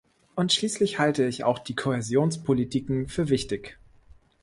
Und schließlich halte ich auch die Kohäsionspolitiken für wichtig.